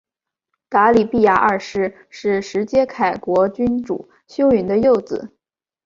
答里必牙二世是是实皆开国君主修云的幼子。